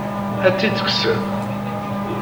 Ad tt-id-kksen?